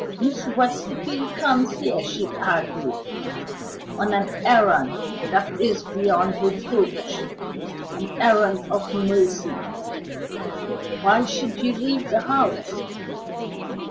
"Miss Westerfield comes here," she argued, "on an errand that is beyond reproach an errand of mercy. Why should you leave the house?"